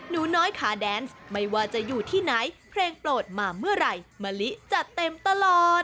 หนูน้อยขาแดนซ์ไม่ว่าจะอยู่ที่ไหนเพลงโปรดมาเมื่อไหร่มะลิจัดเต็มตลอด